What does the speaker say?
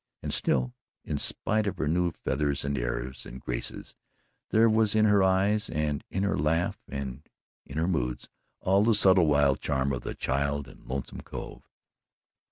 And still, in spite of her new feathers and airs and graces, there was in her eye and in her laugh and in her moods all the subtle wild charm of the child in Lonesome Cove.